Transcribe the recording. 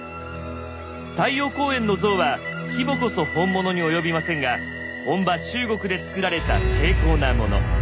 太陽公園の像は規模こそ本物に及びませんが本場中国でつくられた精巧なもの。